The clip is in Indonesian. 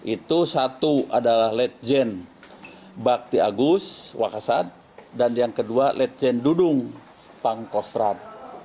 itu satu adalah legend bakti agus wakasat dan yang kedua legend dudung pangkostrat